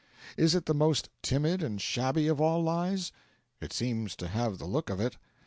Is it the most timid and shabby of all lies? It seems to have the look of it.